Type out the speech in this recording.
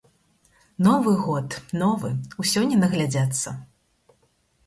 Новы год, новы, ўсё не наглядзяцца.